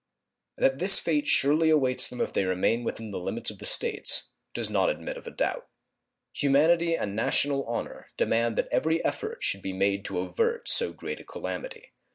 That this fate surely awaits them if they remain within the limits of the States does not admit of a doubt. Humanity and national honor demand that every effort should be made to avert so great a calamity.